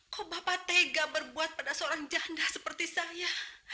kok bapak tega berbuat pada seorang janda seperti saya